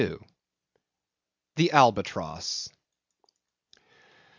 The Albatross.